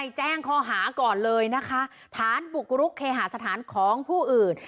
แจ้งข้อหาก่อนเลยนะคะฐานบุกรุกเคหาสถานของผู้อื่น